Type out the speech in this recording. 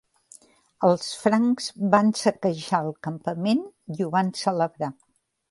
Els francs van saquejar el campament i ho van celebrar.